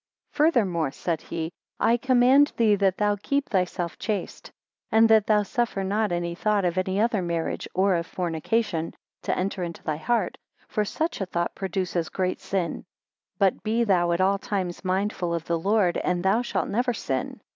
FURTHERMORE, said he, I command thee, that thou keep thyself chaste; and that thou suffer not any thought of any other marriage, or of fornication, to enter into thy heart; for such a thought produces great sin. 2 But be thou at all times mindful of the Lord, and thou shalt never sin.